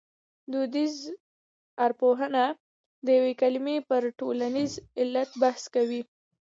دودیزه ارپوهه د یوې کلمې پر ټولنیز علت بحث کوي